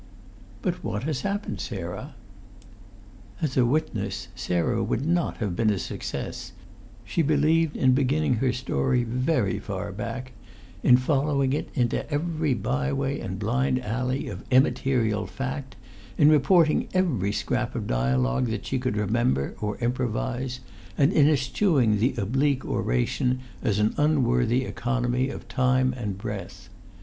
"But what has happened, Sarah?" As a witness Sarah would not have been a success; she believed in beginning her story very far back, in following it into every by way and blind alley of immaterial fact, in reporting every scrap of dialogue that she could remember or improvise, and in eschewing the oblique oration as an unworthy economy of time and breath.